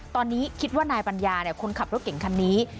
ตอนนี้คิดว่านายปัญญาคนขับรถเก่งคันนี้